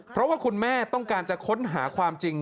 เพราะว่าคุณแม่ต้องการจะค้นหาความจริง